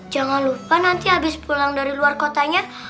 jangan lupa nanti habis pulang dari luar kotanya